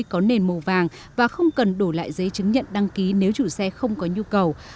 giấy chứng nhận đăng ký có nền màu vàng và không cần đổi lại giấy chứng nhận đăng ký nếu chủ xe không có nhu cầu